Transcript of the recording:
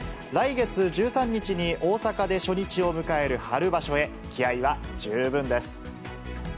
来月１３日に大阪で初日を迎える春場所へ気合いは十分です。